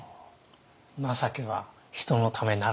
情けは人のためならず。